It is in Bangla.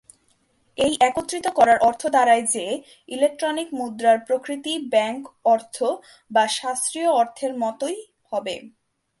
এই একত্রিত করার অর্থ দাঁড়ায় যে, ইলেক্ট্রনিক মুদ্রার প্রকৃতি ব্যাংক অর্থ বা শাস্ত্রীয় অর্থের মতই হবে।